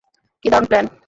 কী দারুণ প্লান!